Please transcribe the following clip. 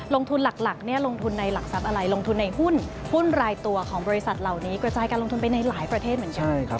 ลงทุนหลักลงทุนในหุ้นรายตัวของบริษัทเหล่านี้กระจายการลงทุนไปในหลายประเทศเหมือนกัน